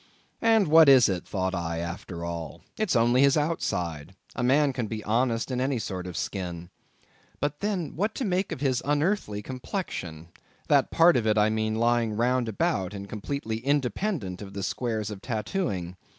And what is it, thought I, after all! It's only his outside; a man can be honest in any sort of skin. But then, what to make of his unearthly complexion, that part of it, I mean, lying round about, and completely independent of the squares of tattooing.